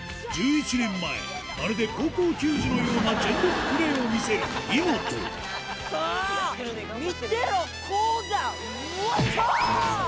１１年前まるで高校球児のような全力プレーを見せるイモトクソ！